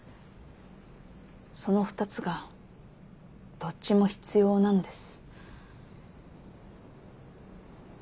その２つがどっちも必要なんです。